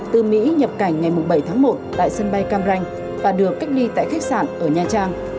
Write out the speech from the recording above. từ mỹ nhập cảnh ngày bảy tháng một tại sân bay cam ranh và được cách ly tại khách sạn ở nha trang